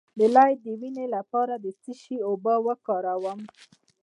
د لۍ د وینې لپاره د څه شي اوبه وکاروم؟